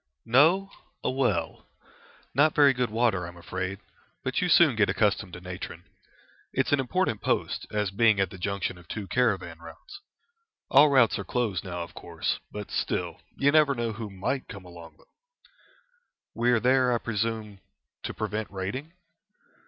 "No, a well. Not very good water, I'm afraid, but you soon get accustomed to natron. It's an important post, as being at the junction of two caravan routes. All routes are closed now, of course, but still you never know who might come along them." "We are there, I presume, to prevent raiding?"